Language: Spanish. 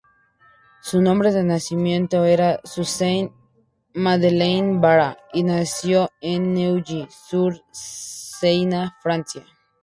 Su nombre de nacimiento era Suzanne Madeleine Bara, y nació en Neuilly-sur-Seine, Francia.